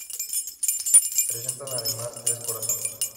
Presentan además tres corazones.